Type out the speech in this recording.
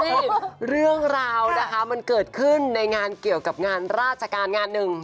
นี่เรื่องราวนะคะมันเกิดขึ้นในงานเกี่ยวกับงานราชการงานหนึ่ง